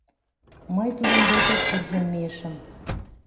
Мый тудын деке куржын мийышым.